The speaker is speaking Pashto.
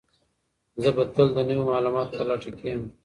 زه به تل د نويو معلوماتو په لټه کي یم.